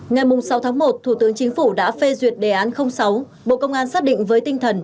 ngày sáu tháng một thủ tướng chính phủ đã phê duyệt đề án sáu bộ công an xác định với tinh thần